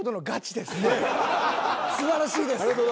すばらしいです。